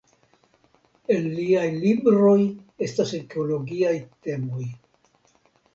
En liaj libroj estas ekologiaj temoj.